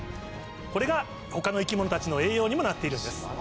これが他の生き物たちの栄養にもなっているんです。